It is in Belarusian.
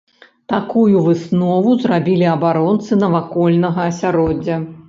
Такую выснову зрабілі абаронцы навакольнага асяроддзя.